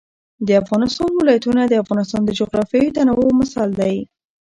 د افغانستان ولايتونه د افغانستان د جغرافیوي تنوع مثال دی.